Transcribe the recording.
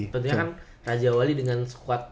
tentunya kan raja wali dengan squad